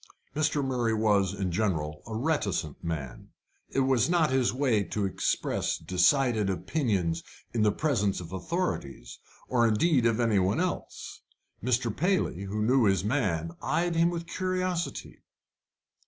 Mr. Murray was, in general, a reticent man. It was not his way to express decided opinions in the presence of authorities, or indeed of any one else. Mr. Paley, who knew his man, eyed him with curiosity.